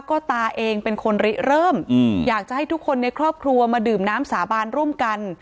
ก็ตาเองเป็นคนริเริ่มอยากจะให้ทุกคนในครอบครัวมาดื่มน้ำสาบานร่วมกัน